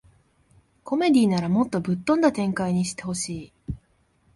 コメディならもっとぶっ飛んだ展開にしてほしい